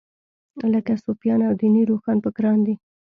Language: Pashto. لکه صوفیان او دیني روښانفکران دي.